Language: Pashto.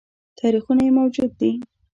تاریخونه یې موجود دي